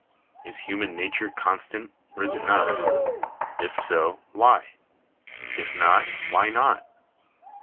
Is human nature constant, or is it not ? If so, why ? If not, why not